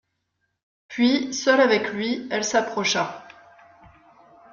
Puis, seule avec lui, elle s'approcha.